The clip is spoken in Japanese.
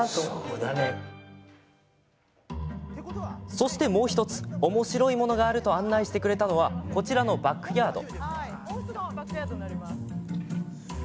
そして、もう１つおもしろいものがあると案内してくれたのはこちらのバックヤード。